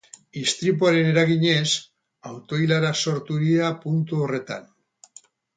Istripuaren eraginez, auto-ilarak sortu dira puntu horretan.